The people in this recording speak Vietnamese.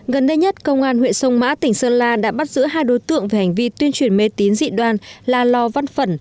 gần đây nhất công an huyện sông mã tỉnh sơn la đã bắt giữ hai đối tượng về hành vi tuyên truyền mê tín dị đoan là lò văn phẩn